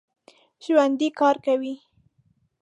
ژوندي کار کوي